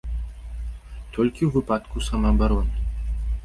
Толькі ў выпадку самаабароны.